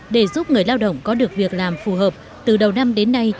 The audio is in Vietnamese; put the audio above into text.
để giúp người lao động có được việc làm phù hợp từ đầu năm đến nay